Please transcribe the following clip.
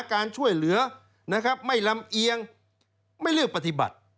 การช่วยเหลือนะครับไม่ลำเอียงไม่เลือกปฏิบัติ